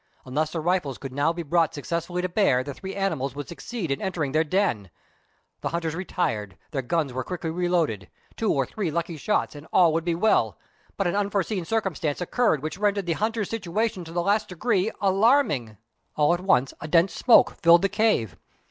Unless the rifles could now be brought successfully to bear, the three animals would succeed in entering their den. The hunters retired ; their guns were quickly reloaded ; two or three lucky shots, and all would be well ; but an unforeseen circumstance occurred which rendered the hunters' situation to the last degree alarming. All at once a dense smoke filled the cave.